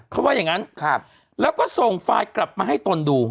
เขาว่าอย่างนั้นแล้วก็ส่งไฟล์กลับมาให้ตนดู